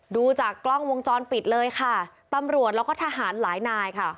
ดูจากกล้องวงจรปิดเลยค่ะตำรวจแล้วก็ทหารหลายนายค่ะ